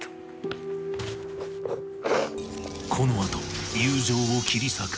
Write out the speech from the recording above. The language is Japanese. この後友情を切り裂く